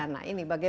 nah ini bagaimana